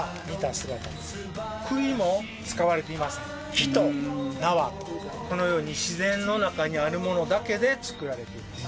木と縄とこのように自然の中にあるものだけで造られています。